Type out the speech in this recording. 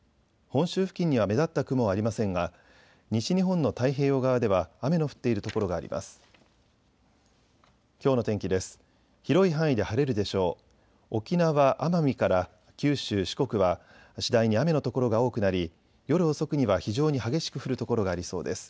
本州付近には目立った雲はありませんが西日本の太平洋側では雨の降っている所があります。